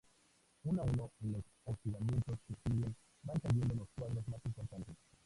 Uno a uno, en los hostigamientos que siguen, van cayendo los cuadros más importantes.